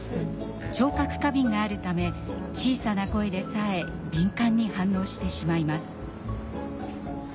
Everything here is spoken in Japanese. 聴覚過敏があるため小さな声でさえ敏感に反応してしまいます。